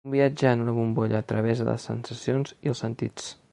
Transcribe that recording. Un viatge en una bombolla a través de les sensacions i els sentits.